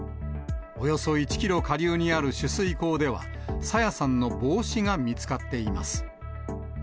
およそ１キロ下流にある取水口では、朝芽さんの帽子が見つかっています。